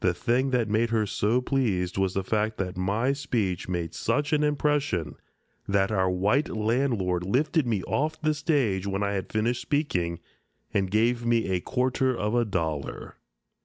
The thing that made her so pleased was the fact that my speech made such an impression that our white landlord lifted me off the stage when I had finished speaking and gave me a quarter of a dollar.